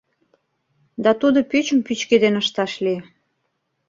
да тудо пӱчым пӱчкеден ышташ лие.